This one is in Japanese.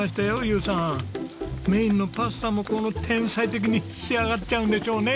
メインのパスタも天才的に仕上がっちゃうんでしょうね。